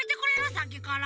さっきから。